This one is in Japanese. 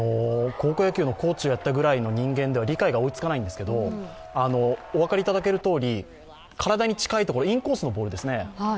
高校野球のコーチをやったぐらいの人間では理解が追いつかないんですけどお分かりいただけるとおり体に近いところインコースのボールですね。